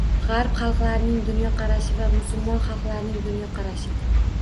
G‘arb xalqlarining dunyoqarashi va musulmon xalqlarining dunyoqarashi